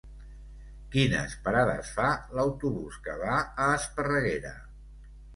Quines parades fa l'autobús que va a Esparreguera?